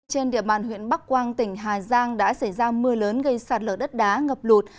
trên địa bàn huyện bắc quang tỉnh hà giang đã xảy ra mưa lớn gây sạt lở đất đá ngập lụt